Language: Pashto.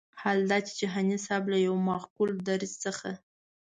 حال دا چې جهاني صاحب له یو معقول دریځ څخه.